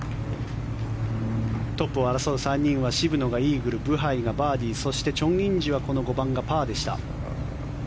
トップを争う３人は渋野がイーグルブハイがバーディーそして、チョン・インジはこの５番がパーでした。